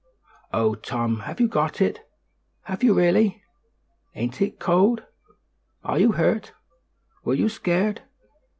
"Oh, Tom, have you got it? Have you really? Ain't it cold? Are you hurt? Were you scared?